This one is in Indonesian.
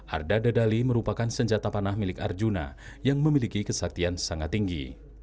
arda dedali merupakan senjata panah milik arjuna yang memiliki kesaktian sangat tinggi